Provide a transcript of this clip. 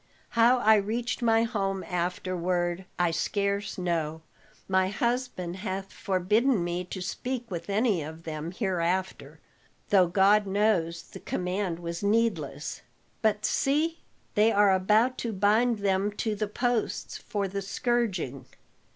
How I reached my home afterward I scarce know; my husband hath forbidden me to speak with any of them hereafter though God knows the command was needless. But see! They are about to bind them to the posts for the scourging."